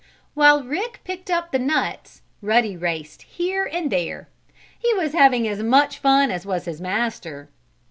While Rick picked up the nuts Ruddy raced here and there. He was having as much fun as was his master.